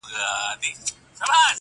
یو لېوه د غره لمن کي وږی تږی.!